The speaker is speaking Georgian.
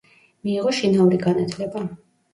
მიიღო შინაური განათლება.